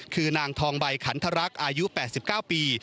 คือนางทองใบขันทรรักษ์อายุ๘๙ปี